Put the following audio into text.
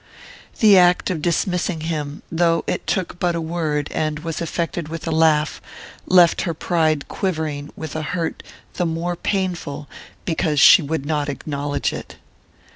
The act of dismissing him, though it took but a word and was effected with a laugh, left her pride quivering with a hurt the more painful because she would not acknowledge it.